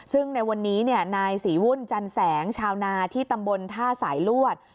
ซึ่งในวันนี้นายศรีวุ่นจันแสงชาวนาที่ตำบลท่าสายลวด